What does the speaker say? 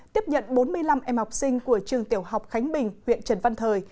tiếp nhận bốn mươi năm em học sinh của trường tiểu học khánh bình huyện trần văn thời